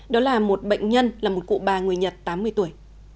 đó là một bệnh nhân là một cụ bà người nhật tám mươi tuổi